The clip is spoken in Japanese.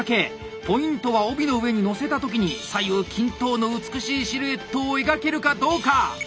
ポイントは帯の上にのせた時に左右均等の美しいシルエットを描けるかどうか。